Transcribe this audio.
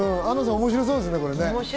面白そうです。